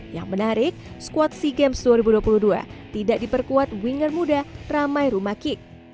yang menarik squad sea games dua ribu dua puluh dua tidak diperkuat winger muda ramai rumah kick